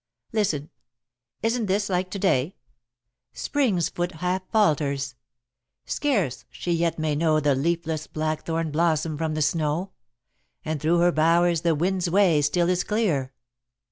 "Listen. Isn't this like to day?" "Spring's foot half falters; scarce she yet may know The leafless blackthorn blossom from the snow; And through her bowers the wind's way still is clear."